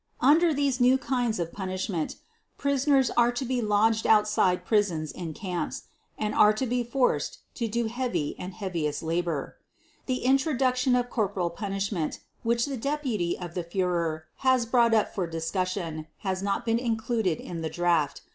. Under these new kinds of punishment, prisoners are to be lodged outside prisons in camps and are to be forced to do heavy and heaviest labor .... The introduction of corporal punishment, which the deputy of the Führer has brought up for discussion has not been included in the draft.